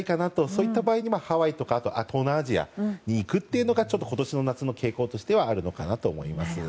そういった場合にはハワイとか東南アジアに行くというのが今年の夏の傾向としてはあるのかなと思います。